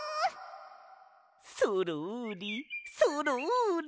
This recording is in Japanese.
そろりそろり。